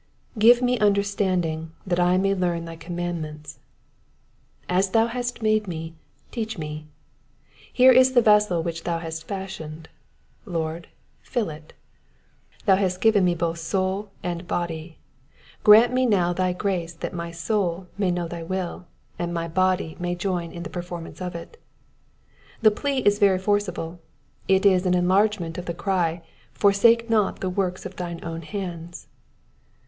^^Oive ine under standing^ that I may learn thy commandments.'*^ As thou hast made me, teach me. Here is the vessel which thou hast fashioned ; Lord, fill it. Thou hast given me both soul and body ; grant me now thy grace that my soul may know thy will, and my body may join in the performance of it. The plea is very forcible; it is an enlargement of the cry, Forsake not the work' of thine own hands.'